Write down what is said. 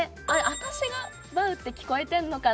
私が「バウ」って聞こえてるのかな？